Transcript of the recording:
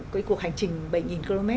cái cuộc hành trình bảy km